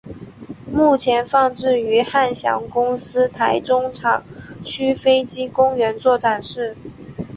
目前放置于汉翔公司台中厂区飞机公园做展示。